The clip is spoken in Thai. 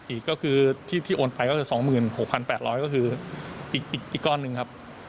อีกก็คือที่โอนไปก็คือ๒๖๘๐๐ก็คืออีกก้อนหนึ่งครับ